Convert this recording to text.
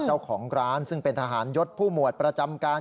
เจ้าของร้านซึ่งเป็นทหารยศผู้หมวดประจำการ